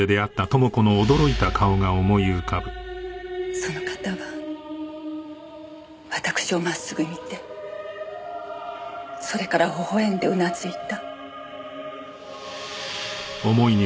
その方はわたくしを真っすぐ見てそれからほほ笑んでうなずいた。